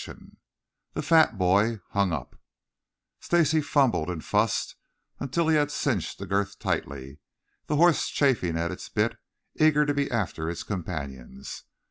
CHAPTER IX THE FAT BOY HUNG UP Stacy fumbled and fussed until he had cinched the girth tightly, the horse chafing at its bit, eager to be after its companions.